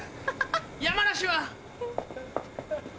山梨は。